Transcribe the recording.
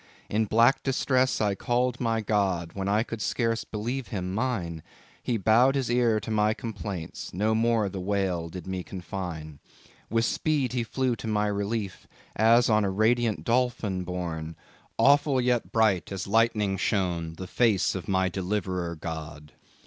"In black distress, I called my God, When I could scarce believe him mine, He bowed his ear to my complaints— No more the whale did me confine. "With speed he flew to my relief, As on a radiant dolphin borne; Awful, yet bright, as lightning shone The face of my Deliverer God.